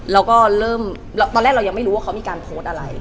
แล้วก็เริ่มตอนแรกเรายังไม่รู้ว่าเขามีการโพสต์อะไร